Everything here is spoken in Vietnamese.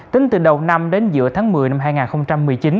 tính từ đầu năm đến giữa tháng một mươi năm hai nghìn một mươi chín